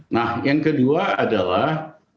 nah yang kedua adalah